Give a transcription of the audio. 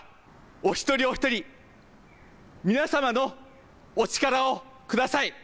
お一人お一人皆様のお力をください。